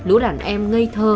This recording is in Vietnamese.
lũ đàn em ngây thơ